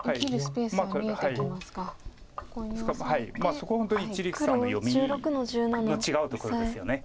そこ本当に一力さんの読みの違うところですよね。